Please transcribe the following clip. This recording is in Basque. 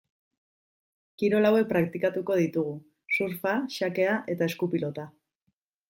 Kirol hauek praktikatuko ditugu: surfa, xakea eta eskupilota.